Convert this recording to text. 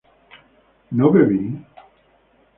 ¿no bebí?